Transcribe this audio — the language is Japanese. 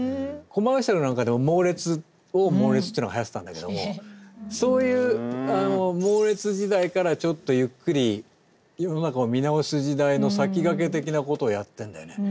コマーシャルなんかでも「オーモーレツ」ってのがはやってたんだけどそういうモーレツ時代からちょっとゆっくり世の中を見直す時代の先駆け的なことをやってるんだよね